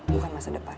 bukan masa depan